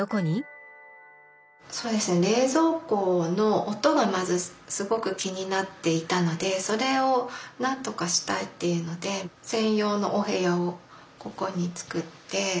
そうですね冷蔵庫の音がまずすごく気になっていたのでそれを何とかしたいっていうので専用のお部屋をここに作って。